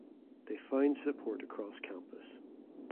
They found support across campus.